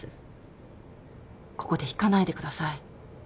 ここで引かないでください。